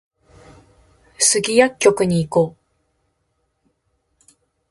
スギ薬局に行こう